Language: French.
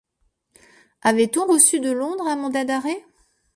Avait-on reçu de Londres un mandat d’arrêt?...